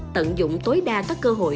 tận dụng tối đa các cơ hội